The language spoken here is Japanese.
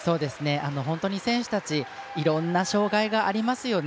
本当に選手たちいろんな障がいがありますよね。